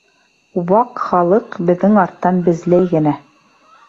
Ваҡ Халыҡ беҙҙең арттан безләй генә!